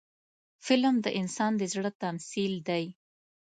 فلم د انسان د زړه تمثیل دی